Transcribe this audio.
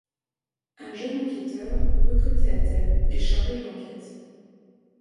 Un jeune enquêteur recruté à Thèbes est chargé de l'enquête.